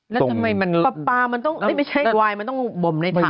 แล้วทำไมมันปลาปลามันต้องไม่ใช่ควายมันต้องบ่มในถัง